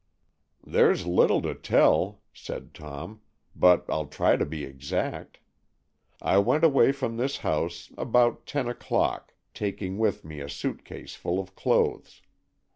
"There's little to tell," said Tom, "but I'll try to be exact. I went away from this house about ten o'clock, taking with me a suit case full of clothes.